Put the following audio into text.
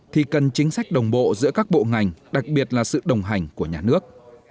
thì cần chính sách đồng bộ giữa các bộ ngành đặc biệt là sự đồng hành của nhà nước